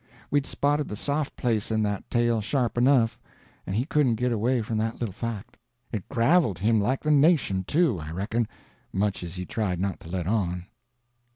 We'd spotted the soft place in that tale sharp enough, he couldn't git away from that little fact. It graveled him like the nation, too, I reckon, much as he tried not to let on.